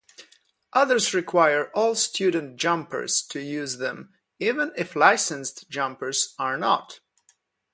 Others require all student jumpers to use them even if licensed jumpers are not.